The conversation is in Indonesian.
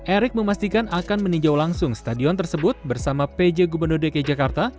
erick memastikan akan meninjau langsung stadion tersebut bersama pj gubernur dki jakarta